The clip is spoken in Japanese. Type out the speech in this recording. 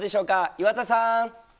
岩田さん。